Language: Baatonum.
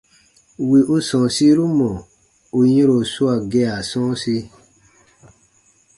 Wì u sɔ̃ɔsiru mɔ̀ ù yɛ̃ro swaa gea sɔ̃ɔsi.